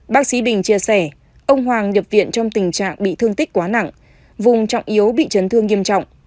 bác sĩ bình chia sẻ ông hoàng nhập viện trong tình trạng bị thương tích quá nặng vùng trọng yếu bị chấn thương nghiêm trọng